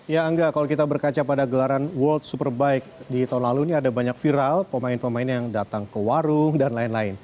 ya angga kalau kita berkaca pada gelaran world superbike di tahun lalu ini ada banyak viral pemain pemain yang datang ke warung dan lain lain